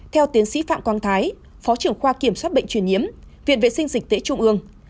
theo tiến sĩ phạm quang thái phó trưởng khoa kiểm soát bệnh truyền nhiễm viện vệ sinh dịch tễ trung ương